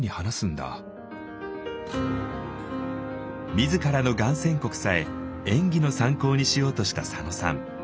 自らのがん宣告さえ演技の参考にしようとした佐野さん。